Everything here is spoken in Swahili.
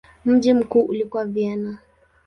Mji mkuu ulikuwa Vienna.